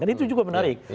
kan itu juga menarik